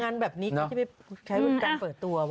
งานแบบนี้ก็จะไปใช้เป็นการเปิดตัว